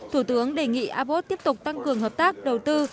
thủ tướng đề nghị abos tiếp tục tăng cường hợp tác đầu tư